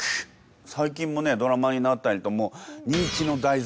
最近もねドラマになったりともう人気の題材。